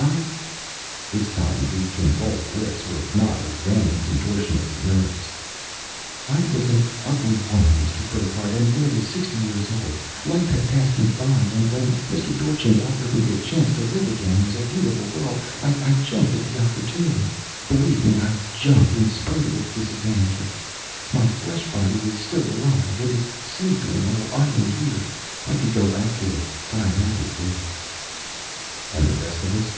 I " this time the convulsed lips were not a random contortion of the nerves "I was an ugly woman, Mr. Burckhardt, and nearly sixty years old. Life had passed me. And when Mr. Dorchin offered me the chance to live again as a beautiful girl, I jumped at the opportunity. Believe me, I jumped, in spite of its disadvantages. My flesh body is still alive it is sleeping, while I am here. I could go back to it. But I never do." "And the rest of us?"